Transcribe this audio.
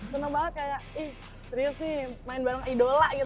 seneng banget kayak ih serius nih main bareng idola gitu